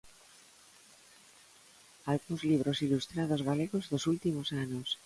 Algúns libros ilustrados galegos dos últimos anos.